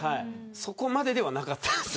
そこまでではなかったです。